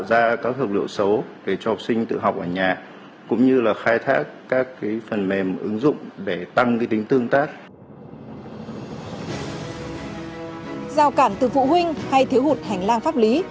giao cản từ vụ huynh hay thiếu hụt hành lang pháp lý